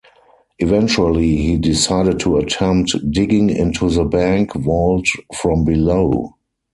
Eventually he decided to attempt digging into the bank vault from below.